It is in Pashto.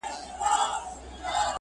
او وينه بهيږي او حالت خرابېږي